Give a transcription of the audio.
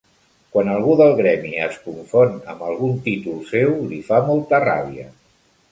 Quan algú del gremi es confon amb algun títol seu li fa molta ràbia.